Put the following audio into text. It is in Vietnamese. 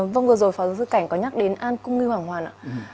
vâng vừa rồi pháo giáo sư cảnh có nhắc đến an cung nghi hoàng hoàng